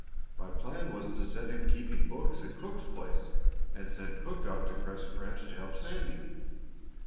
My plan was to set him to keeping books in Cook's place, and send Cook out to Crescent Ranch to help Sandy.